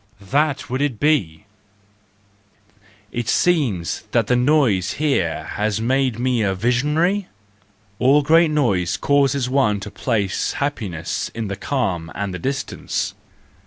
That would be it! It seems that the noise here has made me a visionary ? All great noise causes one to place happiness in the calm and the distance.